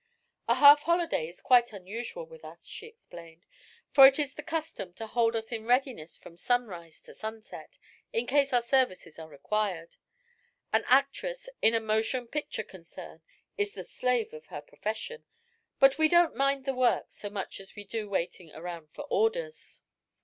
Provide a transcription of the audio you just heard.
"A half holiday is quite unusual with us," she explained, "for it is the custom to hold us in readiness from sunrise to sunset, in case our services are required. An actress in a motion picture concern is the slave of her profession, but we don't mind the work so much as we do waiting around for orders."